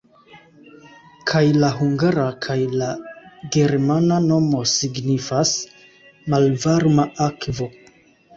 Kaj la hungara kaj la germana nomo signifas "malvarma akvo".